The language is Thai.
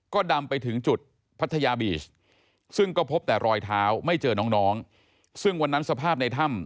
ก็ดำไปถึงจุดพัทยาบีชซึ่งก็พบแต่รอยเท้าไม่เจอน้องซึ่งวันนั้นสภาพในถ้ำ